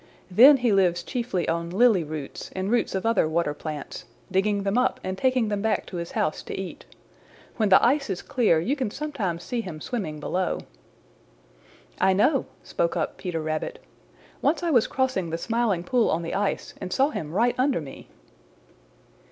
Then he lives chiefly on lily roots and roots of other water plants, digging them up and taking them back to his house to eat. When the ice is clear you can sometimes see him swimming below." "I know," spoke up Peter Rabbit. "Once I was crossing the Smiling Pool on the ice and saw him right under me."